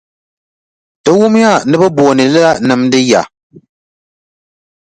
Ti wumya ni bɛ booni li la nimdi ya.